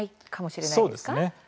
そうですね。